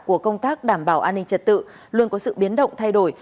của công tác đảm bảo an ninh trật tự luôn có sự biến động thay đổi